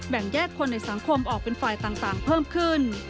แยกคนในสังคมออกเป็นฝ่ายต่างเพิ่มขึ้น